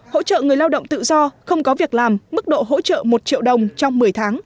hỗ trợ người lao động tự do không có việc làm mức độ hỗ trợ một triệu đồng trong một mươi tháng